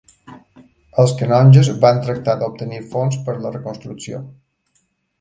Els canonges van tractar d'obtenir fons per la reconstrucció.